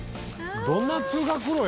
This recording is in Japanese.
どんな通学路や。